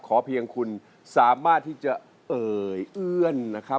เพียงคุณสามารถที่จะเอ่ยเอื้อนนะครับ